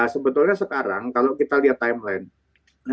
sebetulnya sekarang kalau kita lihat timeline